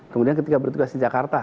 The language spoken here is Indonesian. kemudian ketika bertugas di jakarta